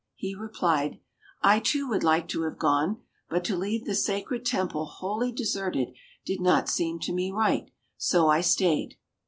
He replied, "I, too, would like to have gone, but to leave the sacred temple wholly deserted did not seem to me right, so I stayed."